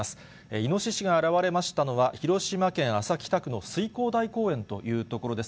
イノシシが現れましたのは、広島県安佐北区の翠光台公園という所です。